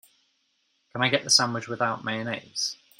Can I get the sandwich without mayonnaise?